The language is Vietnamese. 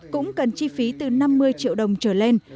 cũng cần chi phí từ năm mươi triệu đồng trở lên